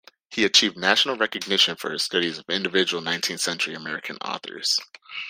He achieved national recognition for his studies of individual nineteenth-century American authors.